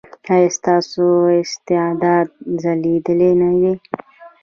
ایا ستاسو استعداد ځلیدلی نه دی؟